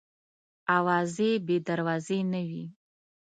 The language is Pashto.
اوازې بې دروازې نه وي.